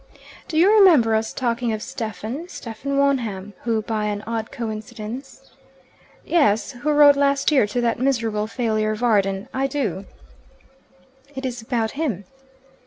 "Do you remember us talking of Stephen Stephen Wonham, who by an odd coincidence " "Yes. Who wrote last year to that miserable failure Varden. I do." "It is about him."